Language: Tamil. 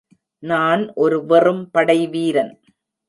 நான் ஒரு வெறும் படைவீரன்.